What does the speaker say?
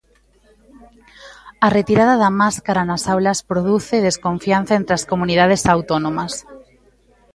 A retirada da máscara nas aulas produce desconfianza entre as comunidades autónomas.